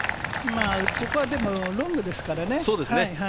ここはロングですからね。